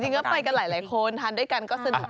จริงก็ไปกันหลายคนทานด้วยกันก็สุดดี